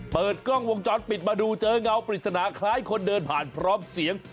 เปิดกล้องวงจรปิดมาดูเจอเงาปริศนาคล้ายคนเดินผ่านพร้อมเสียง